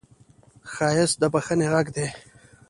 ښایست د بښنې غږ دی